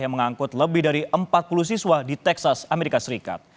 yang mengangkut lebih dari empat puluh siswa di texas amerika serikat